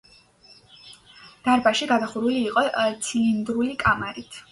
დარბაზი გადახურული იყო ცილინდრული კამარით.